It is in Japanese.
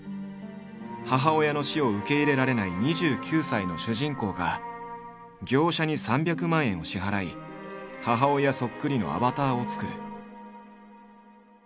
母親の死を受け入れられない２９歳の主人公が業者に３００万円を支払い母親そっくりのアバターを作る。